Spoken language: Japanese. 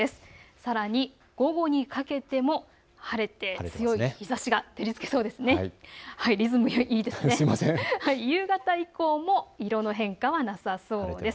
さらに午後にかけても晴れて強い日ざしが照りつけそうです。